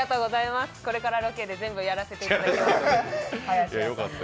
これからロケで全部やらせてもらいます。